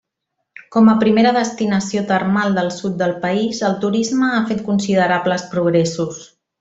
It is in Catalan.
Com a primera destinació termal del sud del país el turisme ha fet considerables progressos.